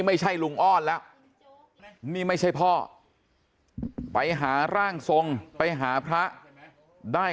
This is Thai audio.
ไม่ใช่ลุงอ้อนแล้วนี่ไม่ใช่พ่อไปหาร่างทรงไปหาพระได้